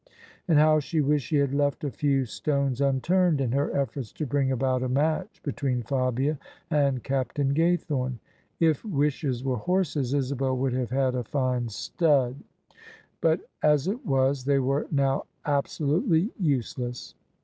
And how she wished she had left a few stones unturned in her efforts to bring about a match between Fabia and Captain Gaythorne! If wishes were horses, Isabel would have had a fine stud : but, as it was, they were now absolutely useless.